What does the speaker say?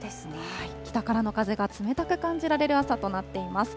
北からの風が冷たく感じられる朝となっています。